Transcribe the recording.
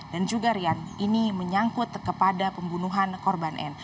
dan juga rian ini menyangkut kepada pembunuhan korban n